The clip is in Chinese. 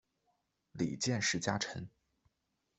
里见氏家臣。